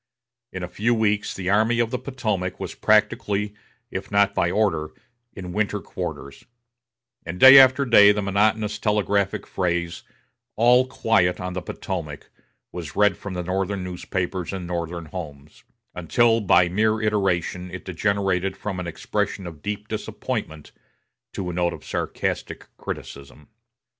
In a few weeks the Army of the Potomac was practically, if not by order, in winter quarters; and day after day the monotonous telegraphic phrase "All quiet on the Potomac" was read from Northern newspapers in Northern homes, until by mere iteration it degenerated from an expression of deep disappointment to a note of sarcastic criticism.